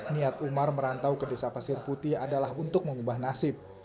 niat umar merantau ke desa pasir putih adalah untuk mengubah nasib